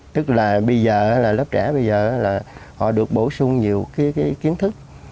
tức là bây giờ là lớp trẻ bây giờ là họ được bổ sung nhiều cái kiến thức